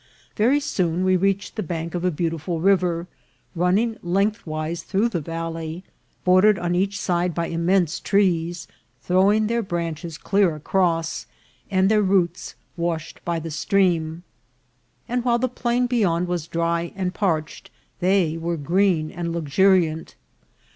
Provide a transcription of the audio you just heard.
Very soon we reached the bank of a beautiful river, running lengthwise through the valley, bordered on each side by immense trees, throwing their branches clear across, and their roots washed by the stream ; and while the plain beyond was dry and parched, they were green and luxuriant.